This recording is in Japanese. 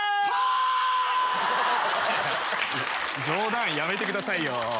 冗談やめてくださいよ。